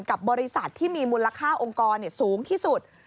กับบริษัทที่มีมูลค่าองค์กรสูงที่สุด